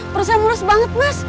perusahaan mulus banget mas